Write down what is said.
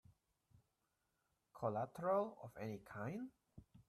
Collateral of any kind?